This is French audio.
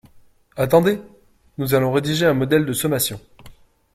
Attendez, nous allons rédiger un modèle de sommation.